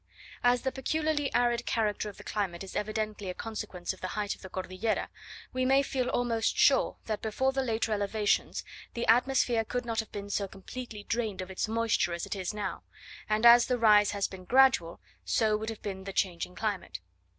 As the peculiarly arid character of the climate is evidently a consequence of the height of the Cordillera, we may feel almost sure that before the later elevations, the atmosphere could not have been so completely drained of its moisture as it now is; and as the rise has been gradual, so would have been the change in climate.